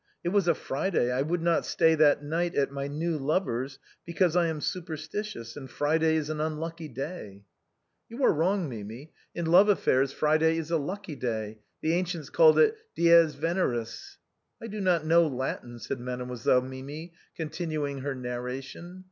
It was a Friday, I would not stay that night at my new lover's because I am super stitious, and Friday is an unlucky day." MIMI IN FINE FEATHER. 279 " You are wrong, Mimi, in love affairs Friday is a lucky day, the ancients called it Dies Veneris." " I do not know Latin," said Mademoiselle Mimi, contin uing her narration.